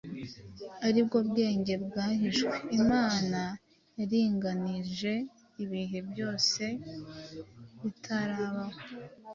ari bwo bwenge bwahishwe, Imana yaringanije ibihe byose bitarabaho,